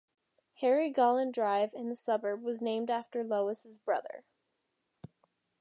Harry Galaun Drive in the suburb was named after Louis' brother.